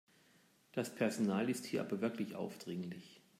Das Personal ist hier aber wirklich aufdringlich.